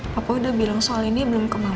papa udah bilang soal ini belum ke mama